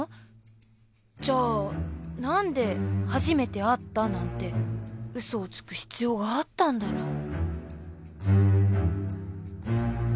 じゃあ何で初めて会ったなんてうそをつく必要があったんだろう。